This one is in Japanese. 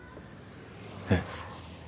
えっ。